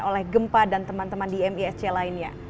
oleh gempa dan teman teman di misc lainnya